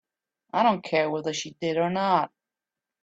I don't care whether she did or not.